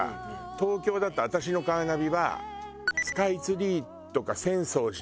東京だと私のカーナビはスカイツリーとか浅草寺とかが映ってるのよ。